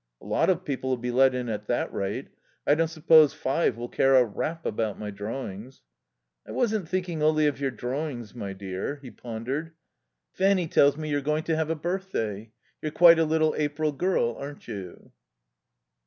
"A lot of people'll be let in at that rate. I don't suppose five will care a rap about my drawings." "I wasn't thinking only of your drawings, my dear." He pondered. ... "Fanny tells me you're going to have a birthday. You're quite a little April girl, aren't you?"